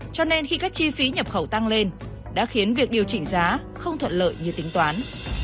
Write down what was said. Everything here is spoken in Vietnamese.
cho nên khi các chi phí nhập khẩu tăng lên đã khiến việc điều chỉnh giá không thuận lợi như tính toán